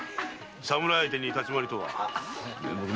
侍相手に立ち回りとは。